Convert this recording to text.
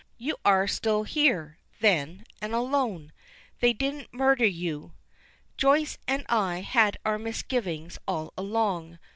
"You are still here, then, and alone. They didn't murder you. Joyce and I had our misgivings all along.